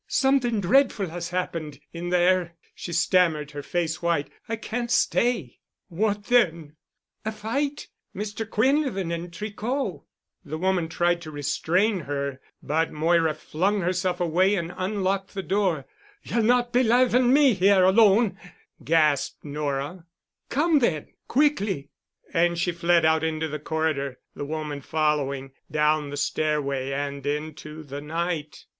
"Something dreadful has happened—in there," she stammered, her face white, "I can't stay——" "What then——" "A fight—Mr. Quinlevin and Tricot——" The woman tried to restrain her but Moira flung herself away and unlocked the door. "Ye'll not be lavin' me here alone," gasped Nora. "Come then. Quickly." And she fled out into the corridor, the woman following, down the stairway and into the night....